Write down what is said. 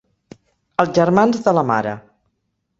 Els germans de la mare.